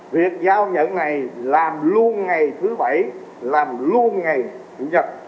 việc giao nhận này làm luôn ngày thứ bảy làm luôn ngày chủ nhật